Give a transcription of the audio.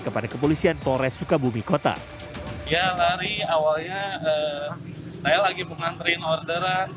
kepada kepolisian polres sukabumi kota ya lari awalnya saya lagi mengantrin orderan